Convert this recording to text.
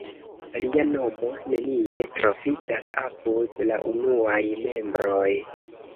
Lia nomo nenie troviĝas apud la unuaj membroj.